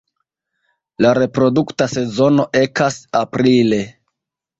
La reprodukta sezono ekas aprile.